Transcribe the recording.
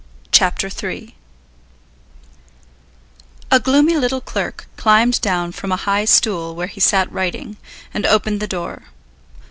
CHAPTER III A gloomy little clerk climbed down from a high stool where he sat writing, and opened the door.